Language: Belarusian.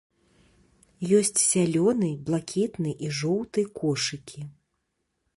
Ёсць зялёны, блакітны і жоўты кошыкі.